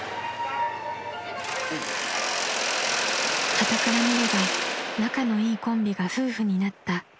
［はたから見れば仲のいいコンビが夫婦になった］